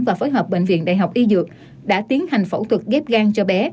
và phối hợp bệnh viện đại học y dược đã tiến hành phẫu thuật ghép gan cho bé